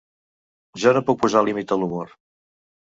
Jo no puc posar límit a l’humor.